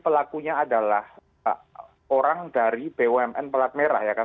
pelakunya adalah orang dari bumn pelat merah ya kan